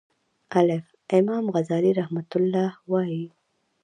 الف : امام غزالی رحمه الله وایی